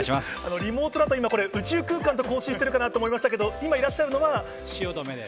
リモートだと今、これ、宇宙空間と交信してるかなと思いましたけど、今、いらっしゃるの汐留です。